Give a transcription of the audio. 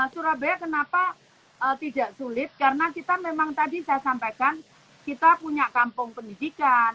surabaya kenapa tidak sulit karena kita memang tadi saya sampaikan kita punya kampung pendidikan